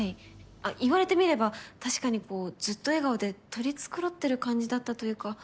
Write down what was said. あっ言われてみれば確かにこうずっと笑顔で取り繕ってる感じだったというか。